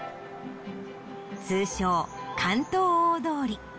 通称竿燈大通り。